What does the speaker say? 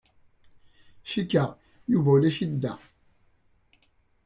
Cikkeɣ Yuba ulac-it da.